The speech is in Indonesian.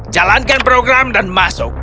jalankan program dan masuk